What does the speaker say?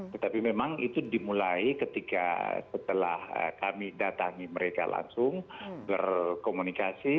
tetapi memang itu dimulai ketika setelah kami datangi mereka langsung berkomunikasi